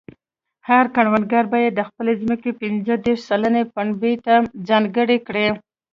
هر کروندګر باید د خپلې ځمکې پنځه دېرش سلنه پنبې ته ځانګړې کړي.